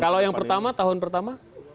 kalau yang pertama tahun pertama